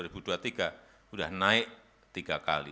sudah naik tiga kali